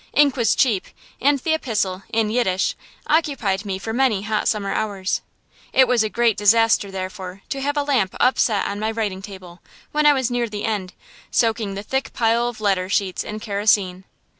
Ink was cheap, and the epistle, in Yiddish, occupied me for many hot summer hours. It was a great disaster, therefore, to have a lamp upset on my writing table, when I was near the end, soaking the thick pile of letter sheets in kerosene.